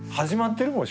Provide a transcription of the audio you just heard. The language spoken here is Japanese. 始まってる。